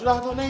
sudah itu neng